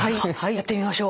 やってみましょう。